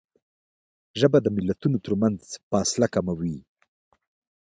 ژبه د ملتونو ترمنځ فاصله کموي